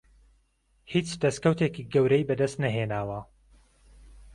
هیچ دهستکهوتێکی گهورهی بهدهست نههێناوه